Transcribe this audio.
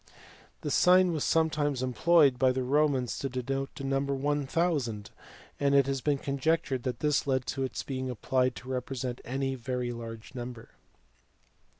This sign was sometimes employed by the Romans to denote the number 1000, and it has been conjec tured that this led to its being applied to represent any very large number.